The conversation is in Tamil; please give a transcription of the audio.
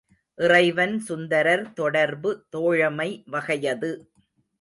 இறைவன் சுந்தரர் தொடர்பு தோழமை வகையது.